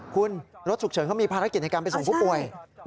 คุณรถฉุกเฉินเขามีภารกิจในการไปส่งผู้ป่วย